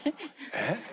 えっ？